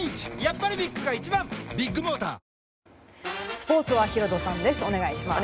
スポーツはヒロドさんです。